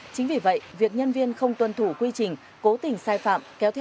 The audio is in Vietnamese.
chính vì vậy việc nhân viên không tuân thủ quy trình cố tình sai phạm